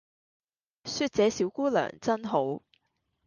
說這小姑娘真好